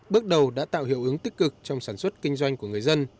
bước đầu đã tạo hiệu ứng tích cực trong sản xuất kinh doanh của người dân